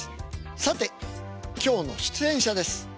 さて今日の出演者です。